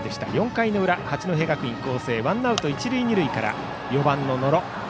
４回の裏、八戸学院光星ワンアウト、一塁二塁から４番の野呂。